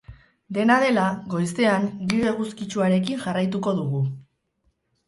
Dena dela, goizean giro eguzkitsuarekin jarraituko dugu.